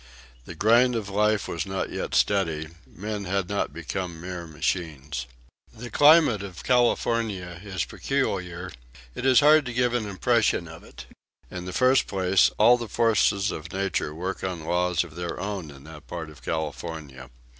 The grind of life was not yet steady men had not become mere machines. The climate of California is peculiar; it is hard to give an impression of it. In the first place, all the forces of nature work on laws of their own in that part of California.